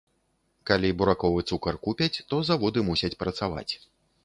Калі бураковы цукар купяць, то заводы мусяць працаваць.